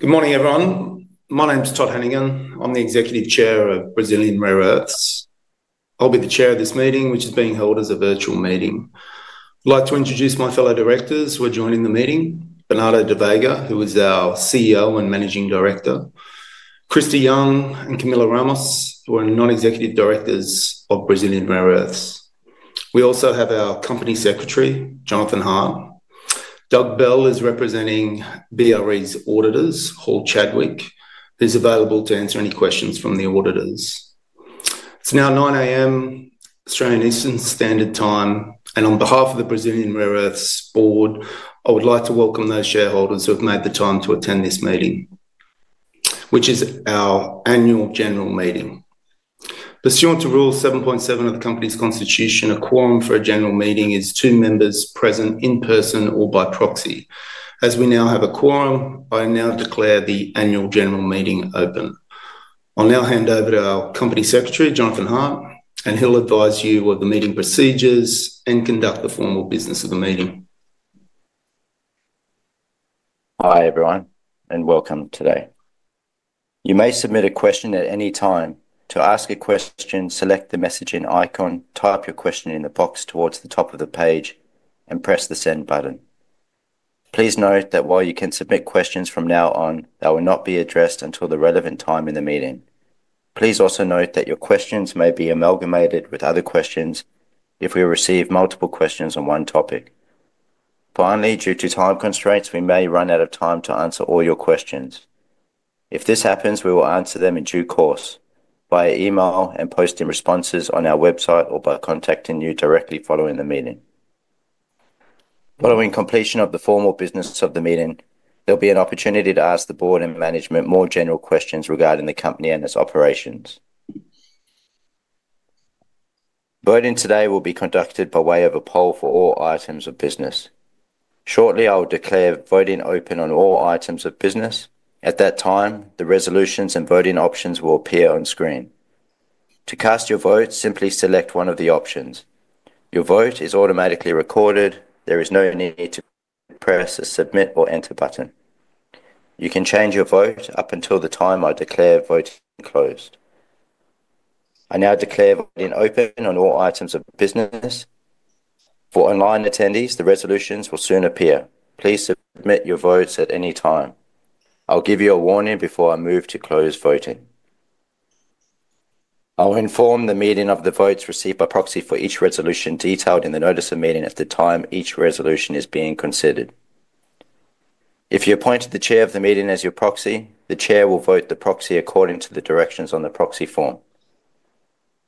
Good morning, everyone. My name is Todd Hannigan. I'm the Executive Chair of Brazilian Rare Earths. I'll be the Chair of this meeting, which is being held as a virtual meeting. I'd like to introduce my fellow directors who are joining the meeting: Bernardo da Veiga, who is our CEO and Managing Director; Kristie Young and Camila Ramos, who are Non-Executive Directors of Brazilian Rare Earths. We also have our Company Secretary, Jonathan Hart. Doug Bell is representing BRE's Auditors, Hall Chadwick, who's available to answer any questions from the auditors. It's now 9:00 A.M. Australian Eastern Standard Time, and on behalf of the Brazilian Rare Earths Board, I would like to welcome those shareholders who have made the time to attend this meeting, which is our Annual General Meeting. Pursuant to Rule 7.7 of the Company's Constitution, a quorum for a general meeting is two members present in person or by proxy. As we now have a quorum, I now declare the annual general meeting open. I'll now hand over to our Company Secretary, Jonathan Hart, and he'll advise you of the meeting procedures and conduct the formal business of the meeting. Hi, everyone, and welcome today. You may submit a question at any time. To ask a question, select the messaging icon, type your question in the box towards the top of the page, and press the send button. Please note that while you can submit questions from now on, they will not be addressed until the relevant time in the meeting. Please also note that your questions may be amalgamated with other questions if we receive multiple questions on one topic. Finally, due to time constraints, we may run out of time to answer all your questions. If this happens, we will answer them in due course via email and posting responses on our website or by contacting you directly following the meeting. Following completion of the formal business of the meeting, there'll be an opportunity to ask the board and management more general questions regarding the company and its operations. Voting today will be conducted by way of a poll for all items of business. Shortly, I'll declare voting open on all items of business. At that time, the resolutions and voting options will appear on screen. To cast your vote, simply select one of the options. Your vote is automatically recorded. There is no need to press a submit or enter button. You can change your vote up until the time I declare voting closed. I now declare voting open on all items of business. For online attendees, the resolutions will soon appear. Please submit your votes at any time. I'll give you a warning before I move to close voting. I'll inform the meeting of the votes received by proxy for each resolution detailed in the notice of meeting at the time each resolution is being considered. If you appointed the Chair of the meeting as your proxy, the Chair will vote the proxy according to the directions on the proxy form.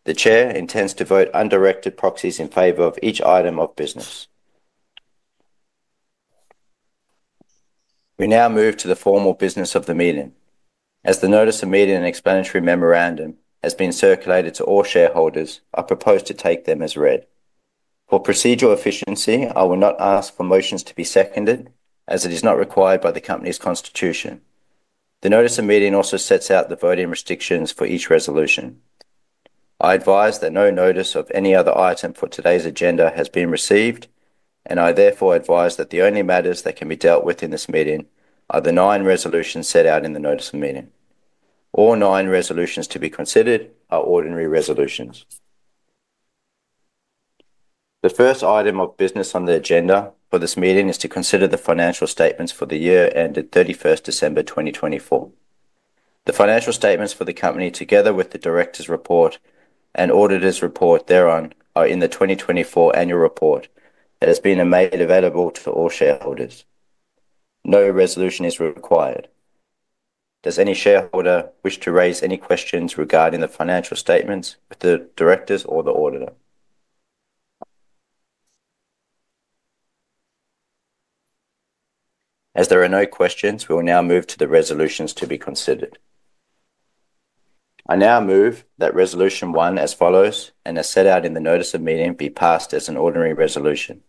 The Chair intends to vote undirected proxies in favor of each item of business. We now move to the formal business of the meeting. As the notice of meeting and explanatory memorandum has been circulated to all shareholders, I propose to take them as read. For procedural efficiency, I will not ask for motions to be seconded, as it is not required by the Company's Constitution. The notice of meeting also sets out the voting restrictions for each resolution. I advise that no notice of any other item for today's agenda has been received, and I therefore advise that the only matters that can be dealt with in this meeting are the nine resolutions set out in the notice of meeting. All nine resolutions to be considered are ordinary resolutions. The first item of business on the agenda for this meeting is to consider the financial statements for the year ended 31st December 2024. The financial statements for the company, together with the director's report and auditor's report thereon, are in the 2024 annual report that has been made available to all shareholders. No resolution is required. Does any shareholder wish to raise any questions regarding the financial statements with the directors or the auditor? As there are no questions, we will now move to the resolutions to be considered. I now move that Resolution one, as follows and as set out in the notice of meeting, be passed as an ordinary resolution.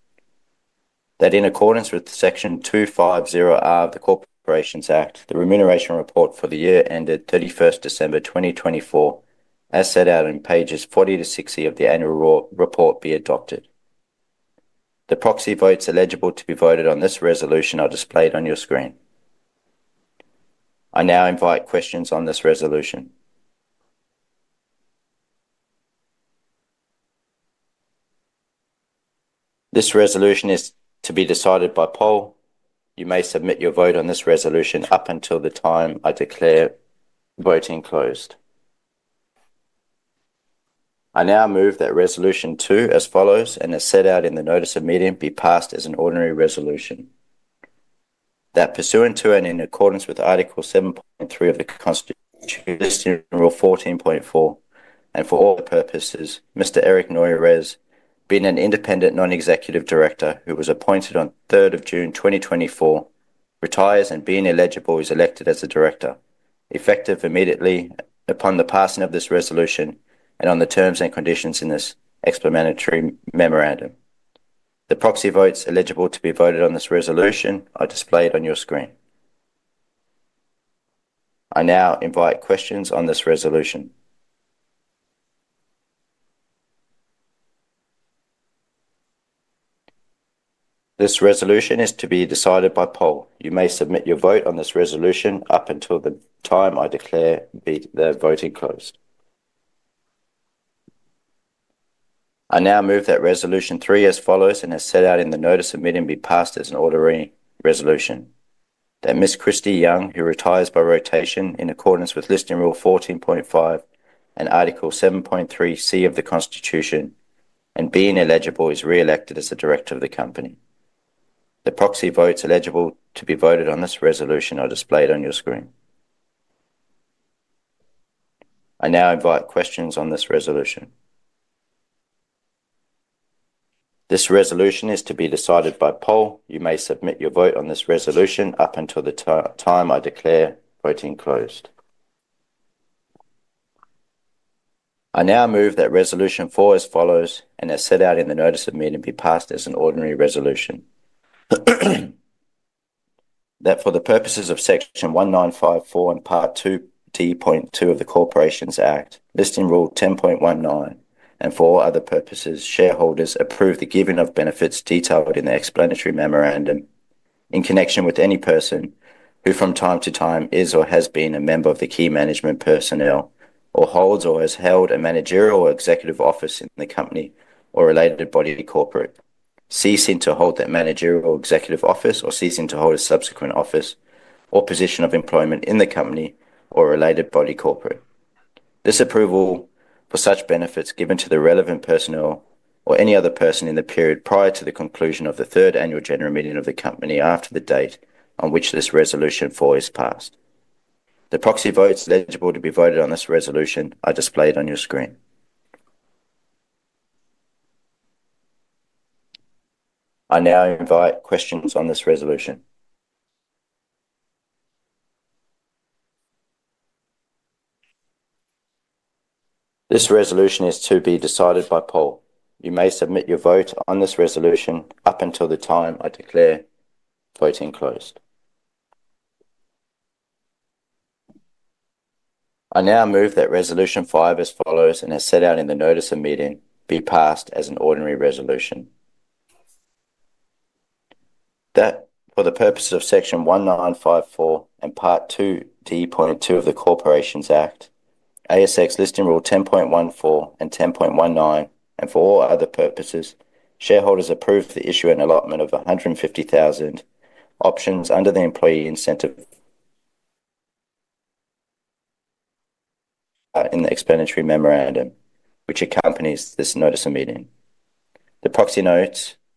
That in accordance with Section 250(a) of the Corporations Act, the remuneration report for the year ended 31st December 2024, as set out in pages 40 to 60 of the annual report, be adopted. The proxy votes eligible to be voted on this resolution are displayed on your screen. I now invite questions on this resolution. This resolution is to be decided by poll. You may submit your vote on this resolution up until the time I declare voting closed. I now move that Resolution two, as follows and as set out in the notice of meeting, be passed as an ordinary resolution. That pursuant to and in accordance with Article 7.3 of the Constitution, General 14.4, and for all purposes, Mr. Eric Noyerez, being an independent non-executive director who was appointed on 3rd of June 2024, retires and being eligible, is elected as a director, effective immediately upon the passing of this resolution and on the terms and conditions in this explanatory memorandum. The proxy votes eligible to be voted on this resolution are displayed on your screen. I now invite questions on this resolution. This resolution is to be decided by poll. You may submit your vote on this resolution up until the time I declare the voting closed. I now move that Resolution three, as follows and as set out in the notice of meeting, be passed as an ordinary resolution. That Miss Kristie Young, who retires by rotation in accordance with Listing Rule 14.5 and Article 7.3(c) of the Constitution, and being eligible, is re-elected as a director of the company. The proxy votes eligible to be voted on this resolution are displayed on your screen. I now invite questions on this resolution. This resolution is to be decided by poll. You may submit your vote on this resolution up until the time I declare voting closed. I now move that Resolution four, as follows and as set out in the notice of meeting, be passed as an ordinary resolution. That for the purposes of Section 1954 and Part 2D.2 of the Corporations Act, Listing Rule 10.19, and for all other purposes, shareholders approve the giving of benefits detailed in the explanatory memorandum in connection with any person who, from time to time, is or has been a member of the key management personnel or holds or has held a managerial or executive office in the company or related body corporate, ceasing to hold that managerial or executive office or ceasing to hold a subsequent office or position of employment in the company or related body corporate. This approval for such benefits is given to the relevant personnel or any other person in the period prior to the conclusion of the third annual general meeting of the company after the date on which this Resolution four is passed.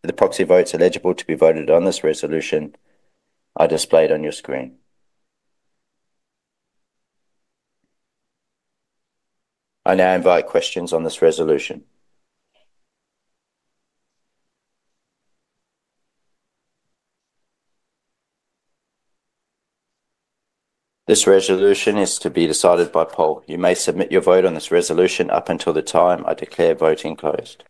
The proxy votes eligible to be voted on this resolution are displayed on your screen. I now invite questions on this resolution. This resolution is to be decided by poll. You may submit your vote on this resolution up until the time I declare voting closed.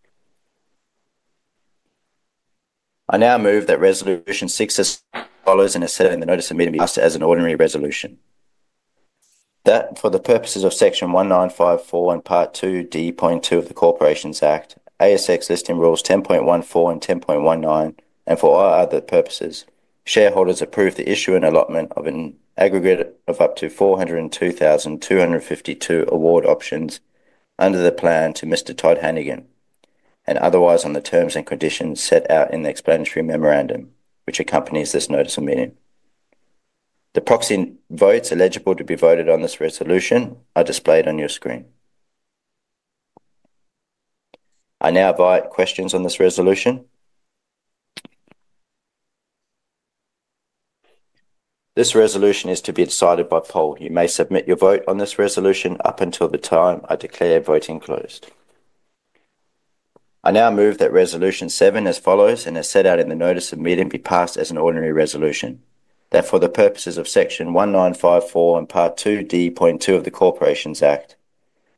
and otherwise on the terms and conditions set out in the explanatory memorandum which accompanies this notice of meeting. The proxy votes eligible to be voted on this resolution are displayed on your screen. I now invite questions on this resolution. This resolution is to be decided by poll. You may submit your vote on this resolution up until the time I declare voting closed. I now move that Resolution 7, as follows and as set out in the notice of meeting, be passed as an ordinary resolution. That for the purposes of Section 1954 and Part 2D.2 of the Corporations Act,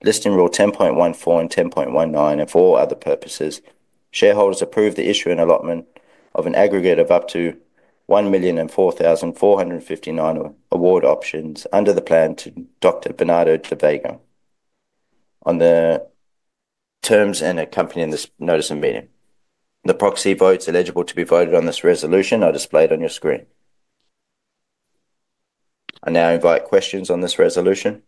Listing Rule 10.14 and 10.19, and for all other purposes, shareholders approve the issue and allotment of an aggregate of up to 1,004,459 award options under the plan to Dr. Bernardo da Veiga. On the terms and accompanying this notice of meeting, the proxy votes eligible to be voted on this resolution are displayed on your screen. I now invite questions on this resolution.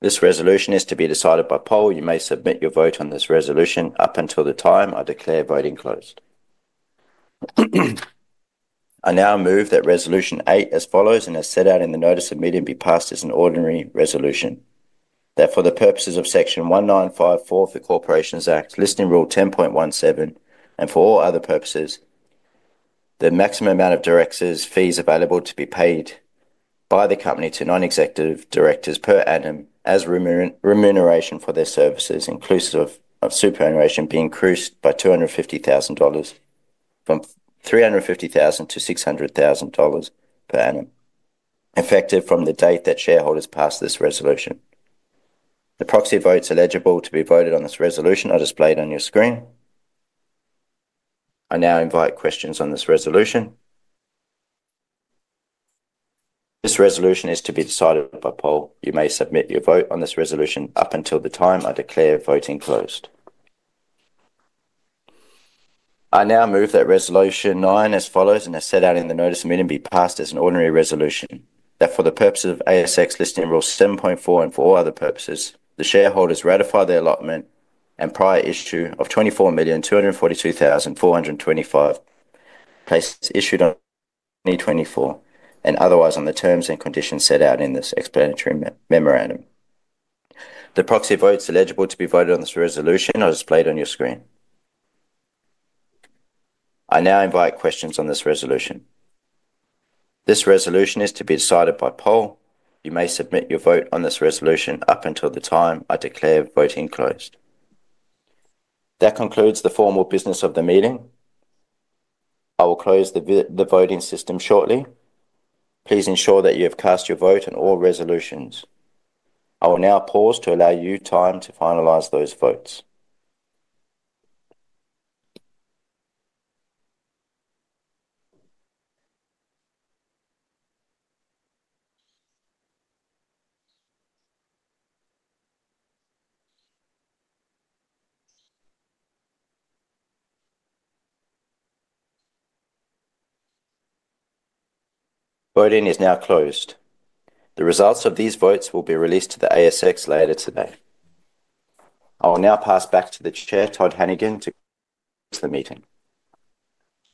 This resolution is to be decided by poll. You may submit your vote on this resolution up until the time I declare voting closed. I now move that Resolution eight, as follows and as set out in the notice of meeting, be passed as an ordinary resolution. That for the purposes of Section 1954 of the Corporations Act, Listing Rule 10.17, and for all other purposes, the maximum amount of directors' fees available to be paid by the company to non-executive directors per annum as remuneration for their services, inclusive of superannuation, be increased by 250,000 dollars from 350,000 to 600,000 dollars per annum, effective from the date that shareholders pass this resolution. The proxy votes eligible to be voted on this resolution are displayed on your screen. I now invite questions on this resolution. This resolution is to be decided by poll. You may submit your vote on this resolution up until the time I declare voting closed. I now move that Resolution nine, as follows and as set out in the notice of meeting, be passed as an ordinary resolution. That for the purposes of ASX Listing Rules 7.4 and for all other purposes, the shareholders ratify the allotment and prior issue of 24,242,425 places issued on 2024 and otherwise on the terms and conditions set out in this explanatory memorandum. The proxy votes eligible to be voted on this resolution are displayed on your screen. I now invite questions on this resolution. This resolution is to be decided by poll. You may submit your vote on this resolution up until the time I declare voting closed. That concludes the formal business of the meeting. I will close the voting system shortly. Please ensure that you have cast your vote on all resolutions. I will now pause to allow you time to finalize those votes. Voting is now closed. The results of these votes will be released to the ASX later today. I will now pass back to the Chair, Todd Hannigan, to close the meeting.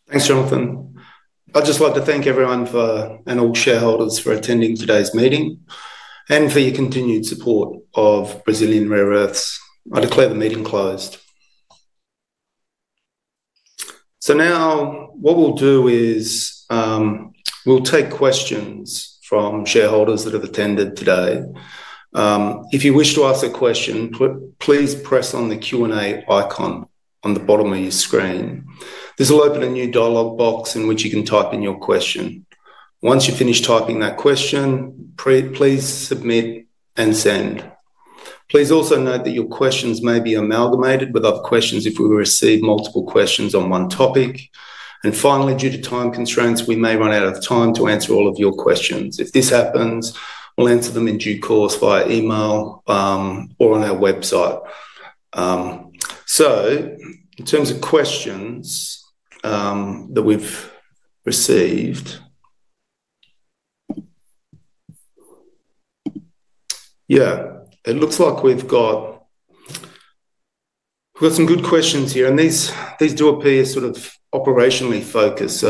Thanks, Jonathan. I'd just like to thank everyone and all shareholders for attending today's meeting and for your continued support of Brazilian Rare Earths. I declare the meeting closed. Now what we'll do is we'll take questions from shareholders that have attended today. If you wish to ask a question, please press on the Q&A icon on the bottom of your screen. This will open a new dialogue box in which you can type in your question. Once you finish typing that question, please submit and send. Please also note that your questions may be amalgamated with other questions if we receive multiple questions on one topic. Finally, due to time constraints, we may run out of time to answer all of your questions. If this happens, we'll answer them in due course via email or on our website. In terms of questions that we've received, yeah, it looks like we've got some good questions here. These do appear sort of operationally focused.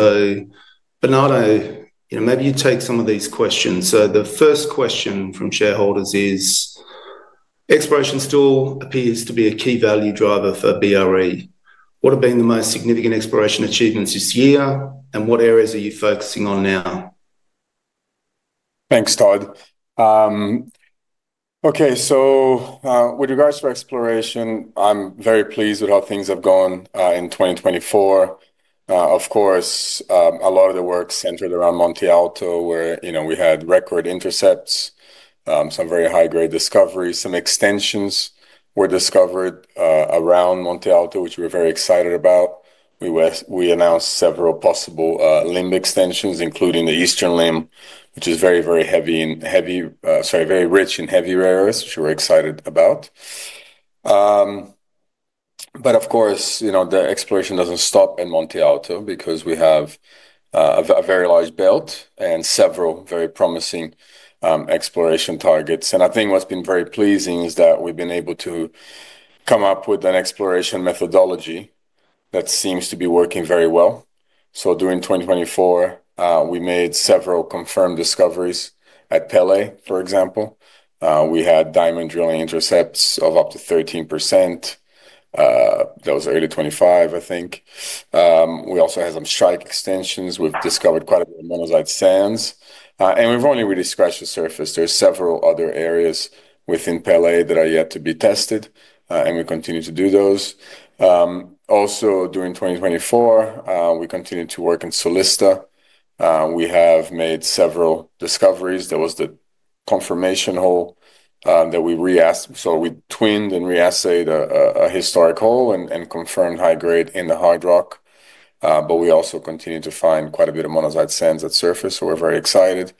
Bernardo, maybe you take some of these questions. The first question from shareholders is, "Exploration still appears to be a key value driver for BRE. What have been the most significant exploration achievements this year, and what areas are you focusing on now? Thanks, Todd. Okay, so with regards to exploration, I'm very pleased with how things have gone in 2024. Of course, a lot of the work centered around Monte Alto, where we had record intercepts, some very high-grade discoveries. Some extensions were discovered around Monte Alto, which we were very excited about. We announced several possible limb extensions, including the eastern limb, which is very, very heavy—sorry, very rich in heavy rare earths, which we were excited about. Of course, the exploration doesn't stop in Monte Alto because we have a very large belt and several very promising exploration targets. I think what's been very pleasing is that we've been able to come up with an exploration methodology that seems to be working very well. During 2024, we made several confirmed discoveries at Pelé, for example. We had diamond drilling intercepts of up to 13%. That was early 2025, I think. We also had some strike extensions. We've discovered quite a bit of monazite sands. We've only really scratched the surface. There are several other areas within Pelé that are yet to be tested, and we continue to do those. Also, during 2024, we continued to work in Sulista. We have made several discoveries. There was the confirmation hole that we reassayed, so we twinned and reassayed a historic hole and confirmed high grade in the hard rock. We also continue to find quite a bit of monazite sands at surface, so we're very excited.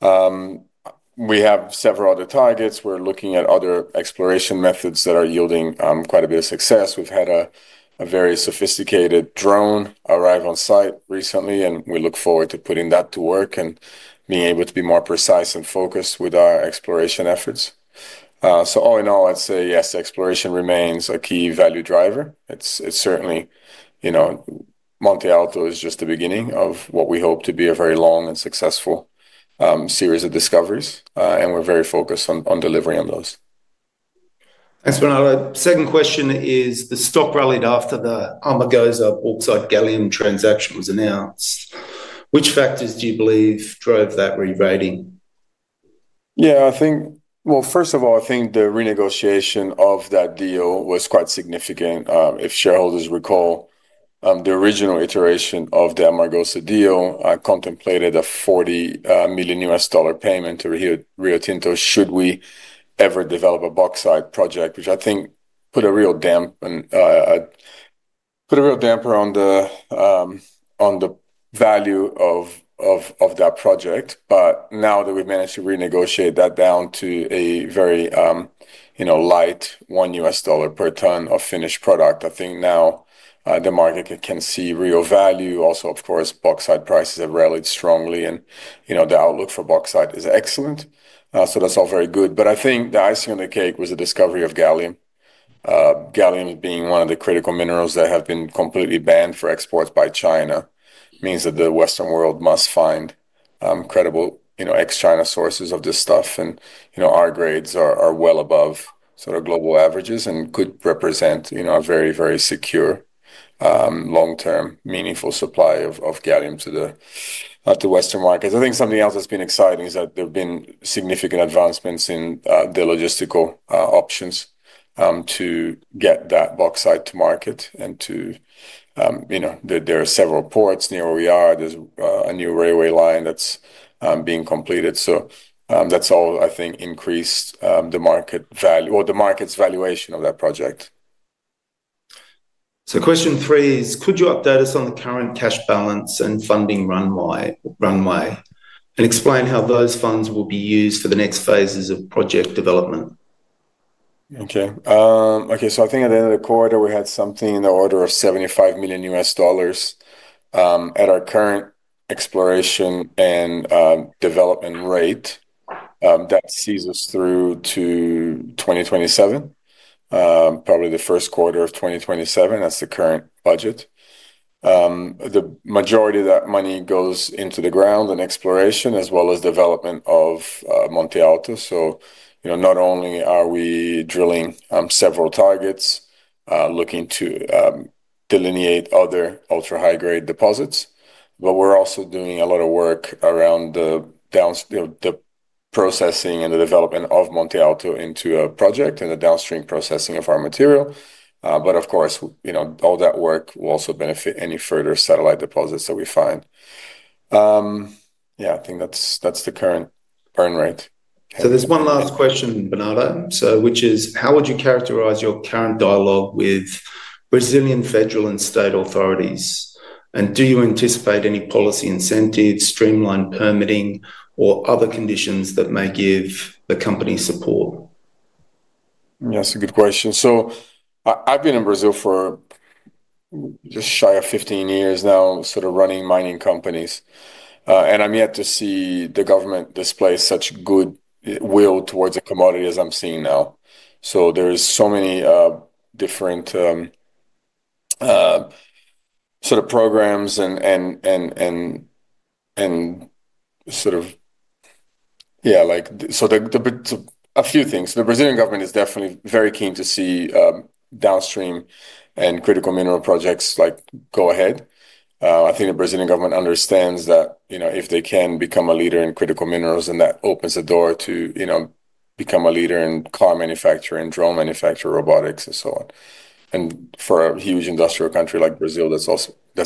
We have several other targets. We're looking at other exploration methods that are yielding quite a bit of success. We've had a very sophisticated drone arrive on site recently, and we look forward to putting that to work and being able to be more precise and focused with our exploration efforts. All in all, I'd say, yes, exploration remains a key value driver. It is certainly—Monte Alto is just the beginning of what we hope to be a very long and successful series of discoveries, and we're very focused on delivering on those. Thanks, Bernardo. Second question is, "The stock rallied after the Amargosa Bauxite-Gallium transaction was announced. Which factors do you believe drove that re-rating? Yeah, I think, first of all, I think the renegotiation of that deal was quite significant. If shareholders recall, the original iteration of the Amargosa deal contemplated a $40 million payment to Rio Tinto should we ever develop a bauxite project, which I think put a real damper on the value of that project. Now that we've managed to renegotiate that down to a very light $1 per ton of finished product, I think now the market can see real value. Also, of course, bauxite prices have rallied strongly, and the outlook for bauxite is excellent. That's all very good. I think the icing on the cake was the discovery of gallium. Gallium being one of the critical minerals that have been completely banned for exports by China means that the Western world must find credible ex-China sources of this stuff. Our grades are well above sort of global averages and could represent a very, very secure, long-term, meaningful supply of gallium to the Western markets. I think something else that's been exciting is that there have been significant advancements in the logistical options to get that bauxite to market. There are several ports near where we are. There's a new railway line that's being completed. That has increased the market value or the market's valuation of that project. Question three is, "Could you update us on the current cash balance and funding runway and explain how those funds will be used for the next phases of project development? Okay. Okay, so I think at the end of the quarter, we had something in the order of $75 million at our current exploration and development rate. That sees us through to 2027, probably the first quarter of 2027. That's the current budget. The majority of that money goes into the ground and exploration as well as development of Monte Alto. Not only are we drilling several targets, looking to delineate other ultra-high-grade deposits, but we're also doing a lot of work around the processing and the development of Monte Alto into a project and the downstream processing of our material. Of course, all that work will also benefit any further satellite deposits that we find. Yeah, I think that's the current burn rate. There's one last question, Bernardo, which is, "How would you characterize your current dialogue with Brazilian federal and state authorities? And do you anticipate any policy incentives, streamlined permitting, or other conditions that may give the company support? Yeah, that's a good question. I've been in Brazil for just shy of 15 years now, sort of running mining companies. I'm yet to see the government display such good will towards a commodity as I'm seeing now. There are so many different sort of programs and, yeah, a few things. The Brazilian government is definitely very keen to see downstream and critical mineral projects go ahead. I think the Brazilian government understands that if they can become a leader in critical minerals, then that opens the door to become a leader in car manufacturing, drone manufacturing, robotics, and so on. For a huge industrial country like Brazil, that's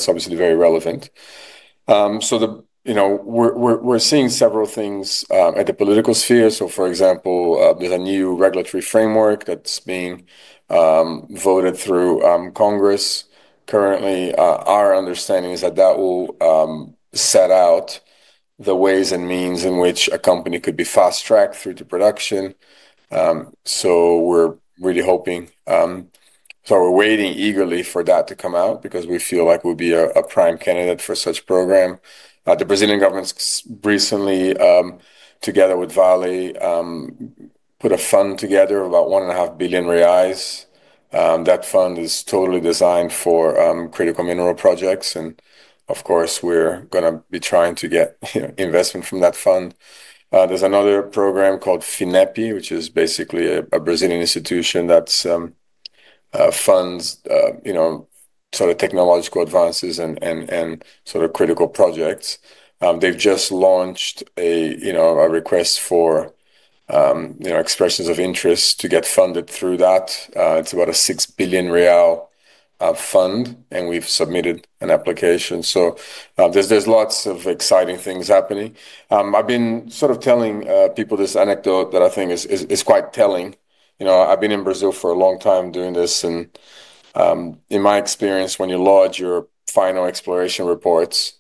obviously very relevant. We're seeing several things at the political sphere. For example, there's a new regulatory framework that's being voted through Congress. Currently, our understanding is that that will set out the ways and means in which a company could be fast-tracked through to production. We are really hoping. We are waiting eagerly for that to come out because we feel like we will be a prime candidate for such a program. The Brazilian government recently, together with Vale, put a fund together of about 1.5 billion reais. That fund is totally designed for critical mineral projects. Of course, we are going to be trying to get investment from that fund. There is another program called Finep, which is basically a Brazilian institution that funds sort of technological advances and sort of critical projects. They have just launched a request for expressions of interest to get funded through that. It is about a 6 billion real fund, and we have submitted an application. There are lots of exciting things happening. I've been sort of telling people this anecdote that I think is quite telling. I've been in Brazil for a long time doing this. In my experience, when you log your final exploration reports,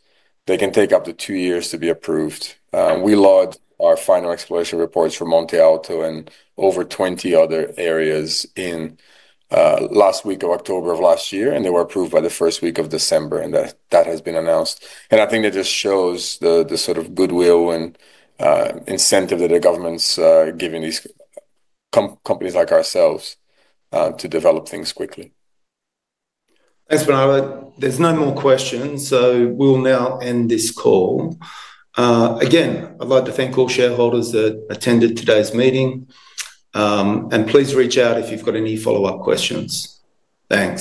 they can take up to two years to be approved. We logged our final exploration reports for Monte Alto and over 20 other areas in last week of October of last year, and they were approved by the first week of December. That has been announced. I think that just shows the sort of goodwill and incentive that the government's given these companies like ourselves to develop things quickly. Thanks, Bernardo. There's no more questions, so we will now end this call. Again, I'd like to thank all shareholders that attended today's meeting. Please reach out if you've got any follow-up questions. Thanks.